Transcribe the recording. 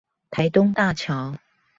台東大橋